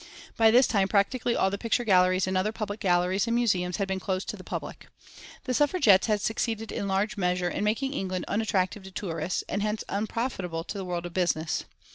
By this time practically all the picture galleries and other public galleries and museums had been closed to the public. The Suffragettes had succeeded in large measure in making England unattractive to tourists, and hence unprofitable to the world of business.